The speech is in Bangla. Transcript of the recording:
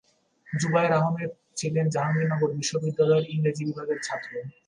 জুবায়ের আহমেদ ছিলেন জাহাঙ্গীরনগর বিশ্ববিদ্যালয়ের ইংরেজি বিভাগের ছাত্র।